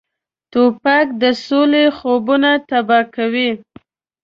توپک د سولې خوبونه تباه کوي.